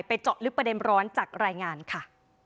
เจาะลึกประเด็นร้อนจากรายงานค่ะ